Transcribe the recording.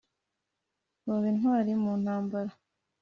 baba intwari mu ntambara